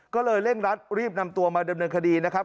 ก็เลยเร่งรัดรีบนำตัวมาดำเนินคดีนะครับ